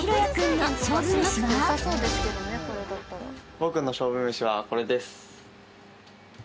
僕の勝負めしはこれです。